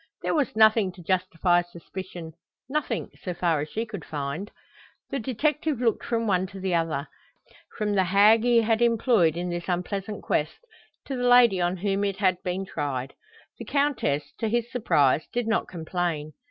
There was nothing to justify suspicion, nothing, so far as she could find. The detective looked from one to the other from the hag he had employed in this unpleasant quest, to the lady on whom it had been tried. The Countess, to his surprise, did not complain.